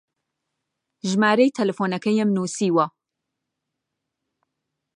ژمارەی تەلەفۆنەکەیم نووسیوە.